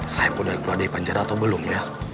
saya udah keluar dari panjara atau belum ya